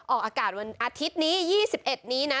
ออกอากาศวันอาทิตย์นี้๒๑นี้นะ